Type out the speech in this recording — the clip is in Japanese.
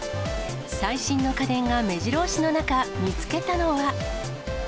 最新の家電がめじろ押しの中、見つけたのは。